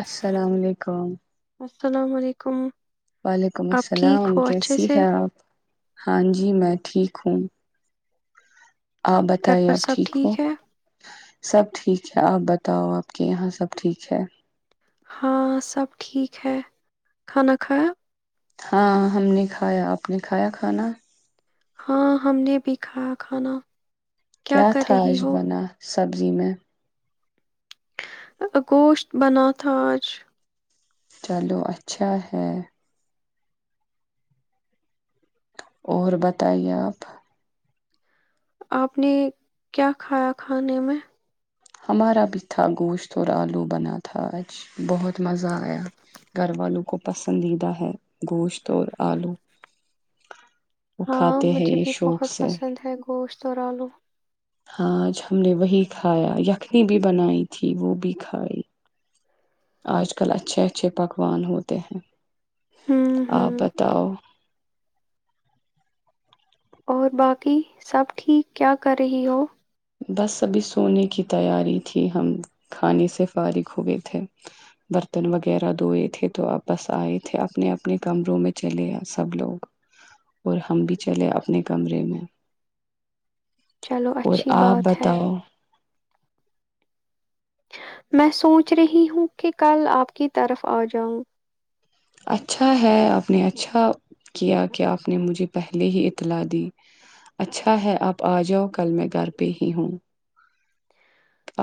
السلام علیکم السلام علیکم وعلیکم آپ ٹھیک السلام ہو اچھے کیسی سے ہیں آپ ہاں جی میں ٹھیک ہوں آپ گھر بتائیے پر آپ سب ٹھیک ہو ہے سب ٹھیک ہے آپ ب بتاؤ آپ کے یہاں سب ٹھیک ہے ہاں سب ٹھیک ہے کھانا کھایا ہاں ہم نے کھایا آپ نے کھایا کھانا ہاں ہم نے بھی کھایا کھانا کیا کر رہی تھااش ب ہو نا سبزی میں ا گوشت بنا تھا آج چلو اچھا ہے اور بتائیے آپ آپ نے کیا کھایا کھانے میں ہمارا بھی تھا گوشت اور آلو بنا تھا آج بہت مزہ آیا گھر والوں کو پسندیدہ ہے گوشت اور آلو وہ ہاں کھاتے ہیں مجھے یہ بھی شوق بہت سے پسند ہے گوشت اور آلو ہاں آج ہم نے وہی کھایا یخنی بھی بنائی تھی وہ بھی کھائی آج کل اچھے اچھے پکوان ہوتے ہیں ہوں آ ہوں بتاؤ اور باقی سب ٹھیک کیا کر رہی ہو بس سبھی سونے کی تیاری تھی ہم کھانے سے فارغ ہوئے تھے برتن وغیرہ دھوئے تھے تو اب بس آئے تھے اپنے اپنے کمروں میں چلے سب لوگ اور ہم بھی چلے اپنے کمرے میں چلو اور اچھی آپ بات ہے بتاؤ میں سوچ رہی ہوں کہ کل آپ کی طرف آجاؤ اچھا ہے آپ نے اچھا کیا کہ آپ نے مجھے پہلے ہی اطلاع دی اچھا ہے آپ آ جاؤ کل میں گھر پہ ہی ہوں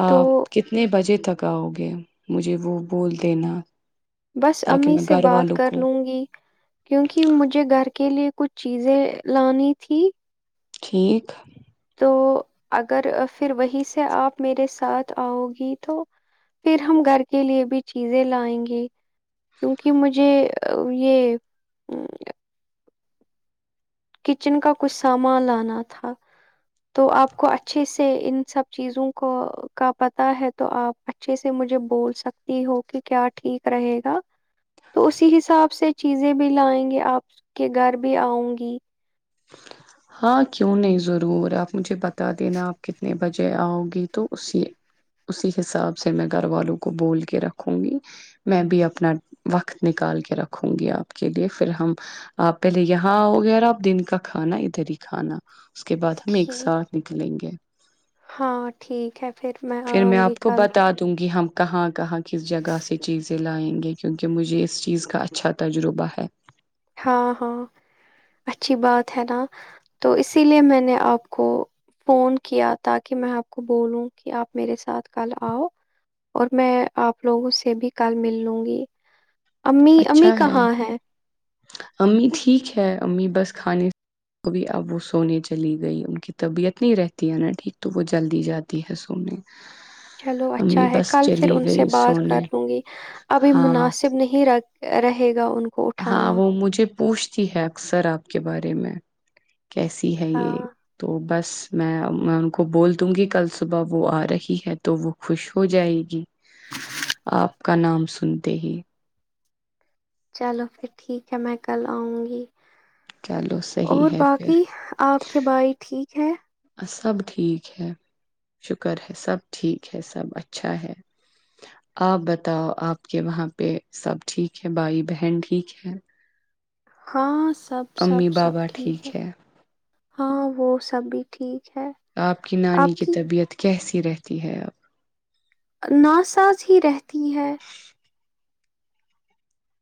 آ تو کتنے بجے تک پکاؤ گے مجھے وہ بول دینا بس تاکہ امی میں سے گھر بات والوں کر کو لوں گی کیونکہ مجھے گھر کے لیے کچھ چیزیں لانی تھی ٹھیک تو اگر پھر وہی سے آپ میرے ساتھ آؤ گی تو پھر ہم گھر کے لیے بھی چیزیں لائیں گے کیونکہ مجھے یہ کچن کا کچھ سامان لانا تھا تو آپ کو اچھے سے ان سب چیزوں کو کا پتا ہے تو آپ اچھے سے مجھے بول سکتی ہو کہ کیا ٹھیک رہے گا تو اسی حساب سے چیزیں بھی لائیں گے آپ کے گھر بھی آؤں گی ہاں کیوں نہیں ضرور آپ مجھے بتا دینا آپ کتنے بجے آؤ گی تو اسی اسی حساب سے میں گھر والوں کو بول کے رکھوں گی میں بھی اپنا وقت نکال کے رکھوں گی آپ کے لیے پھر ہم آپ پہلے یہاں آؤ گے آپ دن کے کا کھانا ادھر ہی کھانا اس کے بعد ہم ایک ٹھیک ساتھ نکلیں گے ہاں ٹھیک ہے پھر پھر میں آؤں گی آپ کو کل بتا دوں گی ہم کہاں کہاں کس جگہ سے چیزیں لائیں گے کیونکہ مجھے اس چیز کا اچھا تجربہ ہے ہاں ہاں اچھی بات ہے نا تو اسی لیے میں نے آپ کو فون کیا تاکہ میں آپ کو بولوں کہ آپ میرے ساتھ کل آؤ اور میں آپ لوگوں سے بھی کل مل لوں گی امی امی کہاں ہے امی ٹکھیک ہے امی بس کھانے بھی اب وہ سونے چلی گئی ان کی طبیعت نہیں رہتی ہے نا ٹھیک تو وہ جلدی جاتی ہے سونے چلو اچھا امی ہے بس کل پھر چلی ان سے گئی بات کر سونے لوں گی ابھی ہاں مناسب نہیں رکھ رہے گا ان کو ہاں اٹھانا وہ مجھے پوچھتی ہے اکثر آپ کے بارے میں کیسی ہے یہ ہاں تو بس میں میں ان کو بول دوں گی کل صبح وہ آ رہی ہے تو وہ خوش ہو جائے گی آپ کا نام سنتے ہی چلو پھر ٹھیک ہے میں کل آؤں گی چلو صحیح اور ہے پھر باقی آپ کے بھائی ٹھیک ہے سب ٹھیک ہے شکر ہے سب ٹھیک ہے سب اچھا ہے آپ بتاؤ آپ کے وہاں پہ سب ٹھیک ہے بھائی بہن ٹھیک ہے ہاں سب امی سب سب بابا ٹھیک ہے ہاں وہ سب بھی ٹھیک ہے آپ کی نانی کی طبیعت کیسی رہتی ہے اب نا ساز ہی رہتی ہے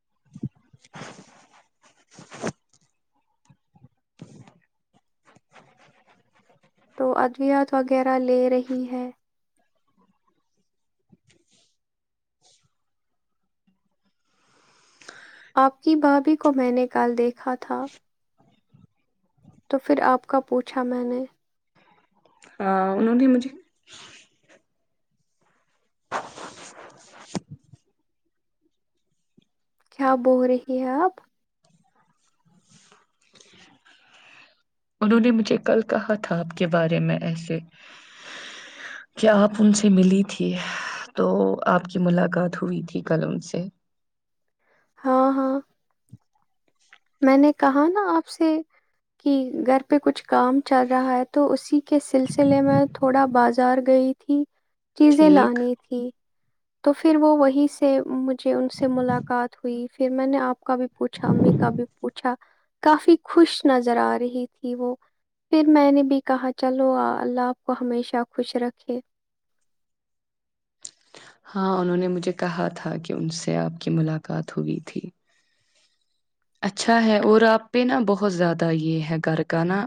[unintelligible] ج تو ادویات وغیرہ لے رہی ہے آپ کی بھابھی کو میں نے کل دیکھا تھا تو پھر آپ کا پوچھا میں نے۔ ہا انہوں نے مجھے۔۔۔ [unintelligible] کیا بول رہی ہیں آپ؟ انہوں نے مجھے کل کہا تھا آپ کے بارے میں ایسے کہ آپ ان سے ملی تھی۔ تو آپ کی ملاقات ہوئی تھی کل ان سے۔ ہاں ہاں۔ میں نے کہا نا آپ سے کہ گھر پہ کچھ کام چل رہا ہے تو اسی کے سلسلے میں تھوڑا بازار گئی تھی۔ چیزیں ٹھیک لانی تھی۔ تو پھر وہ وہیں سے مجھے ان سے ملاقات ہوئی۔ پھر میں نے آپ۔۔۔ کا بھی پوچا۔ امی کا بھی۔۔۔ کافی خوش نظر آ رہی تھی وہ۔ پھر میں نے بھی کہا چلو اللہ آپ کو ہمیشہ خوش رکھے۔ ہاں انہوں نے مجھے کہا تھا کہ ان سے آپ کی ملاقات ہوئی تھی۔ اچھا ہے اور آپ پہ نا بہت زیادہ یہ ہے گھر کا نا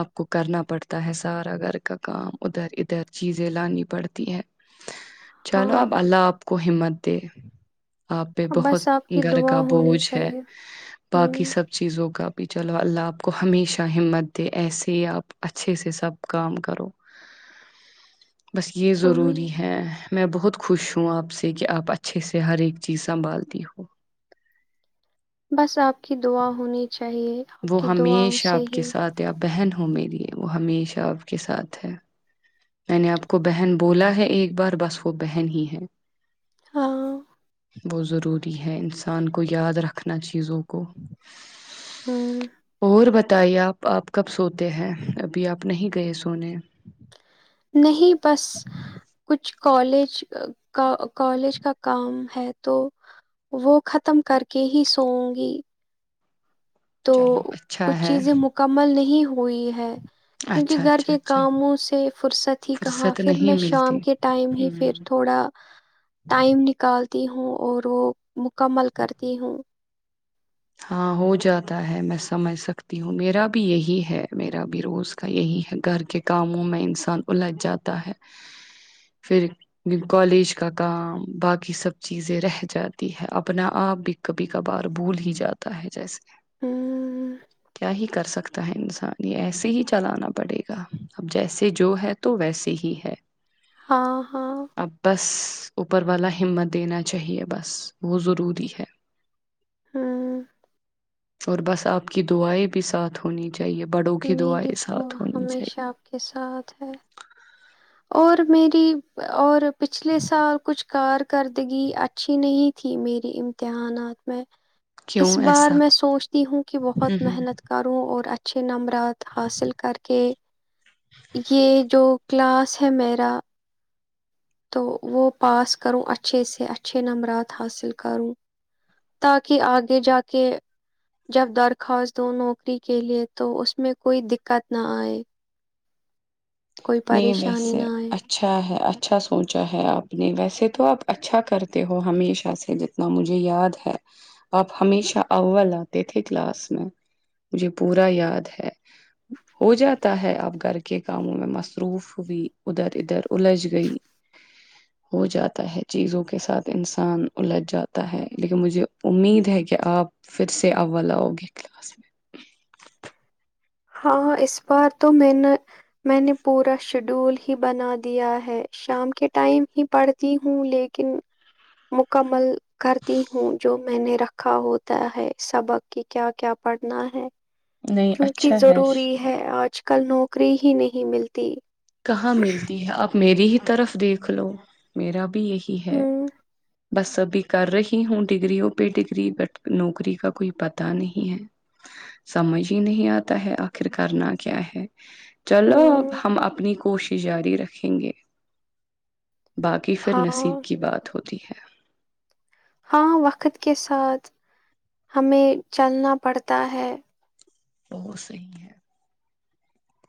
آپ کو کرنا پڑتا ہے سارا گھر کا کام ادھر ادھر چیزیں لانی پڑتی ہے۔ چلو ہاں اب اللہ آپ کو۔۔۔ وہ ہمت دے۔ آپ پہ بہت بس آپ کی گھر دعا کا ہونی بوجھ ہے۔ چاہیے باقی ہوں سب چیزوں کا۔۔۔۔ بھی۔ چلو اللہ آپ کو ہمیشہ ہمت دے۔ ایسے ہی آپ اچھے سے سب کام کرو۔ بس یہ آمین ضروری ہے۔ میں بہت خوش ہوں آپ سے کہ آپ اچھے سے ہر ایک چیز سنبھالتی ہو۔ بس آپ کی دعا ہونی۔۔ چاہیے آپ وہ کی دعاؤں ہمیشہ سے آپ کے ہی ساتھ ہے اپ بہن ہو۔۔۔ میری وہ ہمیشہ آپ کے ساتھ ہے۔ میں نے آپ کو بہن بولا ہے ایک بار بس وہ بہن ہی ہے۔ ہاں [unintelligible] ضروری ہے انسان کو یاد رکھنا چیزوں کو۔ ہوں اور ب۔۔۔ بتائیے؟ آپ آپ کب سوتے ہیں ابھی آپ نہیں گئے سونے۔ نہیں بس کچھ۔۔۔۔ کالج کالج کا کام ہے تو وہ ختم کر کے ہی سوؤں گی۔ تو چلو اچھا کچھ ہے چیزیں مکمل نہیں ہو۔۔ ہوئی ہے۔ کیونکہ اچھا گھر اچھا کے اچھا کاموں سے فرصت ہی کہاں۔ فرصت پھر نہیں میں شام ملتی کے ٹائم ہی پھر ہوں تھوڑا ٹائم نکالتی۔۔۔ ہوں اور وہ مکمل کرتی ہوں۔ ہاں ہو جاتا ہے۔ میں سمجھ سکتی ہوں۔ میرا بھی یہی ہے میرا بھی روز کا یہی ہے گھر کے کاموں میں انسان الجھ جاتا ہے۔ پھر کالج کا کام باقی سب چیزیں رہ جاتی ہے۔ اپنا آپ بھی کبھی کبھار بھول ہی جات۔۔۔ جاتا ہے جسے۔ ہوں کیا ہی کر سکتا۔۔ تا ہے انسان۔ یہ ایسے ہی چلانا پڑے گا۔ اب جیسے جو ہے تو ویسے ہی ہے۔ ہاں ہاں ا بس اوپر والا ہمت دینا چاہیے بس وہ ضروری ہے ہوں اور بس آپ کی دعائیں بھی ساتھ ہونی چاہیے بڑوں کی میری دعائیں دعا ساتھ ہونی چاہیے ہمیشہ آپ کے ساتھ ہے اور میری اور پچھلے سال کچھ کارکردگی اچھی نہیں تھی میری امتحانات میں کیوں اس بار ایسا میں سوچتی ہوں کہ ہ بہت ہ محنت کروں اور اچھا اچھے نمبرات حاصل کر کے یہ جو کلاس ہیمیرا تو وہ پاس کروں اچھے سے اچھے نمبرات حاصل کروں تاکہ آگے جا کے جب درخواست د نوکری کے لیئے تو اس میں کوئی دقت نہ آئے کوئی نہیں پریشانی ویسے نہ آئے اچھا ہے اچھا سوچا ہے آپ نے ویسے تو تو آپ اچھا کرتے ہو ہمیشہ سے جتنا مجھے یاد ہے آپ ہمیشہ اول آتے تھے کلاس میں مجھے پورا یاد ہے ہو جاتا ہے آپ گھر کے کاموں میں مست پروف بھی ادھر ادھر الجھ گئی ہو جاتا ہے چیزوں کے ساتھ انسان الجھ جاتا ہے لیکن مجھے امید ہے کہ آپ پھر سے ا لاؤ گے کلاس میں ہاں اس بار تو میں نے میں نے پورا شیڈول ہی بنا دیا ہے شام کے ٹائم ہی پڑھتی ہوں لیکن مکمل کرتی ہوں جو میں نے رکھا ہوتا ہے سبق کہ کیا کیا پڑھنا ہے نہیں کیونکہ اچھا ہے ضروری ہے آج کل نوکری ہی نہیں ملتی کہاں ملتی ہے اب میری ہی طرف دیکھ لو میرا یہی ہے ہوں بس ابھی کر رہی ہوں ڈگریوں پہ ڈگری بٹ نوکری کا کوئی پتا نہیں ہے سمجھ ہی نہیں آتا ہے آخر کرنا کیا ہے چلو ہوں ہم کوشش جاری رکھیں گے باقی پھر ہاں نصیب کی بات ہوتی ہے ہاں وقت کے ساتھ ہمیں چلنا پڑتا ہے بہت صحیح ہے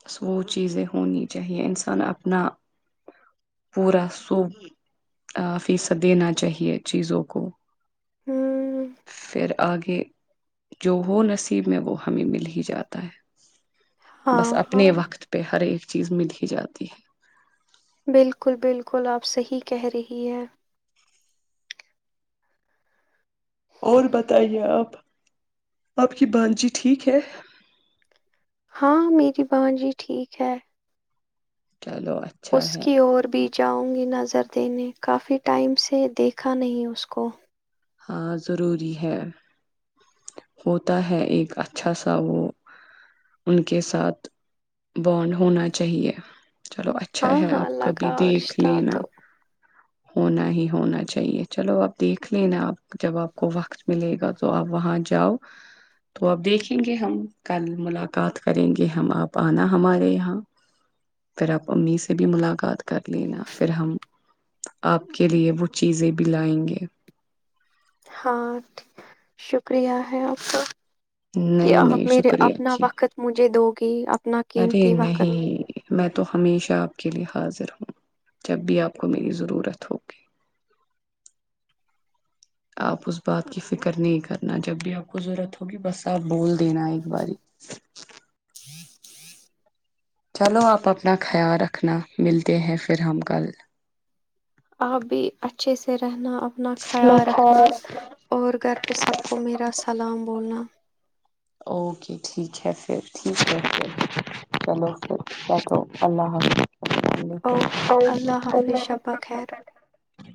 بس وہ چیزیں ہونی چاہیے انسان اپنا پورا سوب فیصد دینا چاہیے چیزوں کو ہوں پھر آگے جو ہو نصیب میں وہ ہمیں ملے جاتا ہے بس ہاں اپنے ہاں وقت پہ ہر ایک چیز مل ہی جاتی ہے بالکل بالکل آپ صحی کہہ رہی ہیں اور بتائیے آپ آپ کی بانجی ٹھیک ہے ہاں میری بان جی ٹھیک ہے چلو اچھا اس ہے کی اور بھی جاؤں گی نظر دینے کافی ٹائم سے دیکھا نہیں اس کو ہاں ضروری ہے ہوتا ہے ایک اچھا سا وہ ان کے ساتھ بانڈ ہونا چاہیے چلو اچھا ہاں ہے ہاں آپ کبھی لگا دیکھ رشتہ لینا تو ہونا ہی ہونا چاہیے چلو آپ دیکھ لینا آپ جب آپ کو وقت ملے گا تو آپ وہاں جاؤ تو آپ دیکھیں گے ہم کل ملاقات کریں گے ہم آپ آنا ہمارے یہاں پھر آپ امی سے بھی ملاقات کر لینا پھر ہم آپ کے لیے وہ چیزیں بھی لائیں گے ہاں شکریہ ہے آپ کا کہ نہیں نہیں آپ میرے شکریہ اپنا کی وقت مجھے دو گی اپنا ارے قیمتی وقت نہیں میں تو ہمیشہ آپ کے لیے حاضر ہوں جب بھی آپ کو میری ضرورت ہوگی آپ اس بات کی فکر نہیں کرنا جب بھی آپ کو ضرورت ہوگی بس آپ بول دینا ایک باری ایک چلو آپ اپنا خیال رکھنا ملتے ہیں پھر ہم کل آپ بھی اچھے سے رہنا اپنا خیال رکھنا اور گھر پہ سب کو میرا سلام بولنا اوکے ٹھیک ہے پھر ٹھیک ہے پھر چلو پھر ہے تو اللہ اوکے حافظ اللہ حافظ شبہ خیر ال